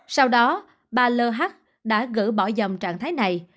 sau đó bà lh đã gỡ bỏ dòng trạng thái này